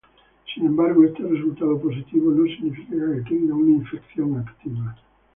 Sin embargo, este resultado positivo no significa que tenga una infección activa.